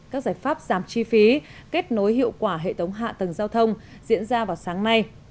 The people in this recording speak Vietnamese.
các giải pháp giảm chi phí kết nối hiệu quả hệ thống hạ tầng giao thông diễn ra vào sáng nay